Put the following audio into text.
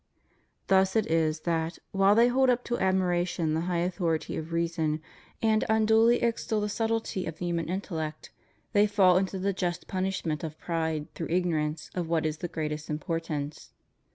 Thus it is that, while they hold up to admiration the high authority of reason, and unduly extol the subtlety of the human intellect, they fall into the just punishment of pride through ignorance of what is of the greatest importance.